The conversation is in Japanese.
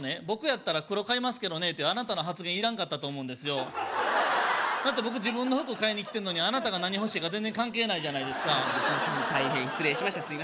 「僕やったら黒買いますけどね」っていうあなたの発言いらんかったと思うんですよだって僕自分の服買いに来てんのにあなたが何欲しいか全然関係ないじゃないですかそうですね大変失礼しました